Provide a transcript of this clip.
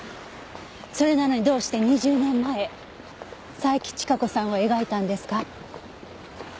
それなのにどうして２０年前佐伯千加子さんを描いたんですか？